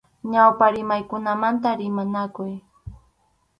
Ñawpa rimaykunamanta rimanakuy.